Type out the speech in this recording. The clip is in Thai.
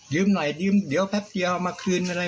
เนื้อคนตูบอหมุนที่ไม่หลอนครับ